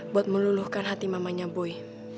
buat meluluhkan hati mamanya boy